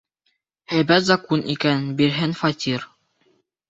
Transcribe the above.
Һәйбәт закун икән, бирһен фатир.